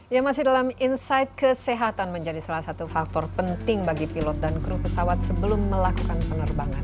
ya masih dalam insight kesehatan menjadi salah satu faktor penting bagi pilot dan kru pesawat sebelum melakukan penerbangan